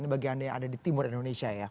ini bagiannya yang ada di timur indonesia ya